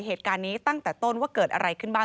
เหตุการณ์นี้ตั้งแต่ต้นว่าเกิดอะไรขึ้นบ้าง